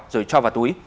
rồi cho vào túi